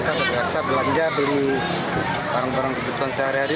semuanya sabun sampo pasta gigi